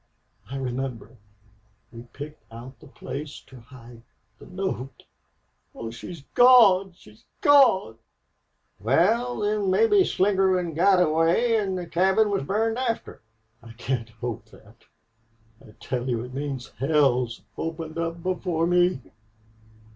I remember we picked out the place to hide the note... Oh! she's gone! She's gone!" "Wal, then, mebbe Slingerland got away an' the cabin was burned after." "I can't hope that... I tell you it means hell's opened up before me."